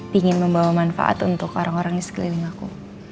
ingin membawa manfaat untuk orang orang di sekeliling aku